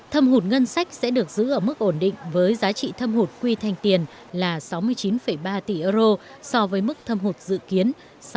thâm hụt ngân sách sẽ được giữ ở mức ổn định với giá trị thâm hụt quy thanh tiền là sáu mươi chín ba tỷ euro so với mức thâm hụt dự kiến